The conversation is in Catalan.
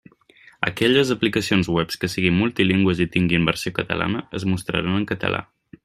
Aquelles aplicacions web que siguin multilingües i tinguin versió catalana es mostraran en català.